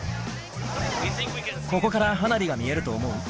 ここから花火が見えると思う？